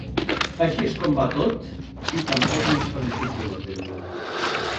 Així és com va, tot, i tampoc no és tan difícil d'entendre.